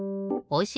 お！